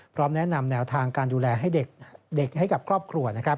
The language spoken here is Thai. พร้อมแนะนำแนวทางการดูแลให้เด็กให้กับครอบครัวนะครับ